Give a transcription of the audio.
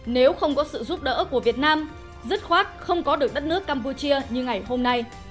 nếu không có sự giúp đỡ của việt nam dứt khoát không có được đất nước campuchia như ngày hôm nay